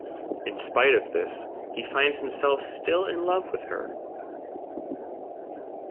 In spite of this, he finds himself still in love with her.